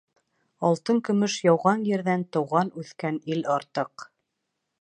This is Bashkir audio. Алтын-көмөш яуған ерҙән тыуған-үҫкән ил артыҡ.